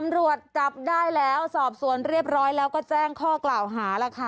ตำรวจจับได้แล้วสอบสวนเรียบร้อยแล้วก็แจ้งข้อกล่าวหาแล้วค่ะ